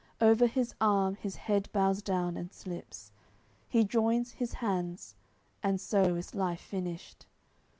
Over his arm his head bows down and slips, He joins his hands: and so is life finish'd.